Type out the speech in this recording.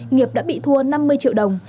nghiệp đã bị thua năm mươi triệu đồng